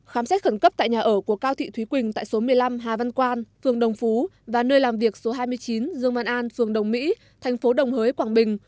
khám xét khẩn cấp tại nhà ở của cao thị thúy quỳnh tại số một mươi năm hà văn quan phường đồng phú và nơi làm việc số hai mươi chín dương văn an phường đồng mỹ thành phố đồng hới quảng bình